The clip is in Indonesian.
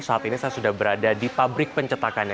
saat ini saya sudah berada di pabrik pencetakannya